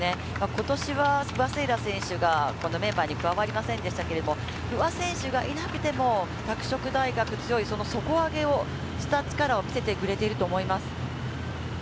ことしは不破聖衣来選手がこのメンバーに加わりませんでしたけれども、不破選手がいなくても拓殖大学、強い、その底上げをした力を見せてくれていると思います。